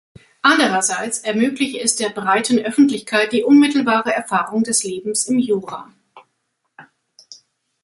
Anderseits ermögliche es „der breiten Öffentlichkeit die unmittelbare Erfahrung des Lebens im Jura“.